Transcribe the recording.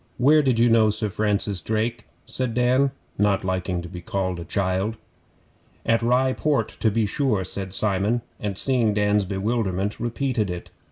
'Where did you know Sir Francis Drake?' said Dan, not liking being called a child. 'At Rye Port, to be sure,' said Simon, and seeing Dan's bewilderment, repeated it.